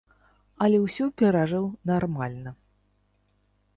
Але ўсё перажыў нармальна.